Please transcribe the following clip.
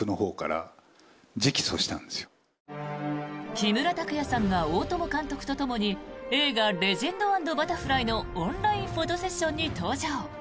木村拓哉さんが大友監督とともに映画「レジェンド＆バタフライ」のオンラインフォトセッションに登場。